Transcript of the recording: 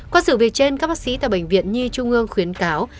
qua sự việc trên các bác sĩ tại bệnh viện nhi trung ương khuyến cáo